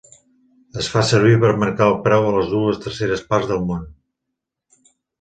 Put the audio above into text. Es fa servir per marcar el preu a les dues terceres parts del món.